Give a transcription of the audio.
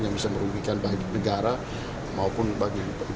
yang bisa merugikan bagi negara maupun bagi ibu khofifah